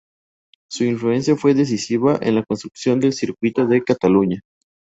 Su influencia fue decisiva en la construcción del Circuito de Cataluña.